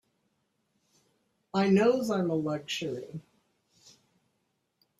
I knows I'm a luxury.